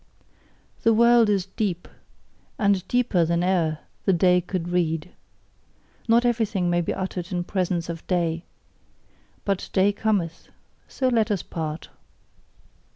The world is deep: and deeper than e'er the day could read. Not everything may be uttered in presence of day. But day cometh: so let us part!